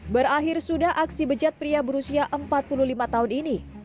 berakhir sudah aksi bejat pria berusia empat puluh lima tahun ini